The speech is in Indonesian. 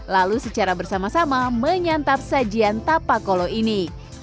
lalu secara bersama sama menyantap sajian tapa kolo ini